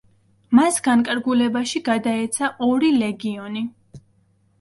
მას განკარგულებაში გადაეცა ორი ლეგიონი.